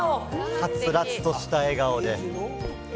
はつらつとした笑顔で。